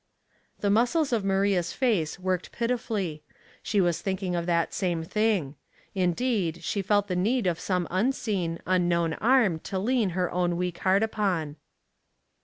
The muscles of Maria's face worked pitifully She was thinking of that same thing; indeed, she felt the need of some unseen, unknown Arm to lean her own weak heart upon.